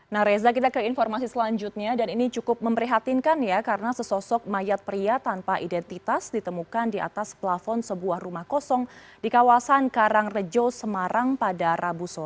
nah reza kita ke informasi selanjutnya dan ini cukup memprihatinkan ya karena sesosok mayat pria tanpa identitas ditemukan di atas plafon sebuah rumah kosong di kawasan karangrejo semarang pada rabu sore